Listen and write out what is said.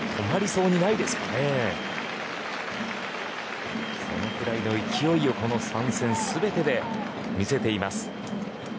そのぐらいの勢いをこの３戦全てで見せています。